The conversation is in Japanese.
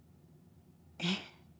えっ？